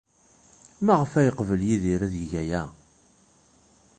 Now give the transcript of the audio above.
Maɣef ay yeqbel Yidir ad yeg aya?